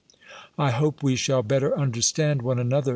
I hope we shall better understand one another.